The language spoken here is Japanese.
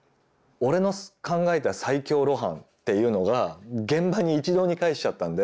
「俺の考えた最強露伴」っていうのが現場に一堂に会しちゃったんで。